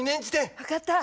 分かった。